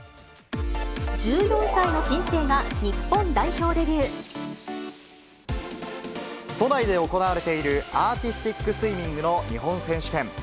１４歳の新星が日本代表デビ都内で行われている、アーティスティックスイミングの日本選手権。